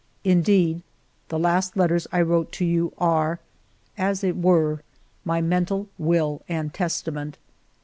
Indeed, the last letters I wrote to you are, as it were, my mental will and testament.